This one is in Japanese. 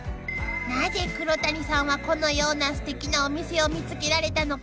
［なぜ黒谷さんはこのようなすてきなお店を見つけられたのか？］